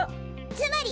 つまり！